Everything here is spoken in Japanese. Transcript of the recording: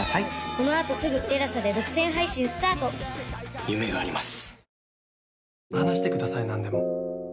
このあとすぐ ＴＥＬＡＳＡ で独占配信スタート夢があります。